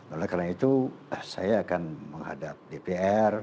oleh karena itu saya akan menghadap dpr dpr nya dpr nya dpr nya dpr nya